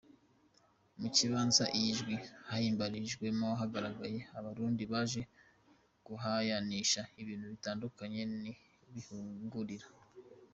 Mu kibanza iyi ndwi yahimbarijwemwo hagaragaye abarundi baje guhayanisha ibintu bitandukanye bihungurira.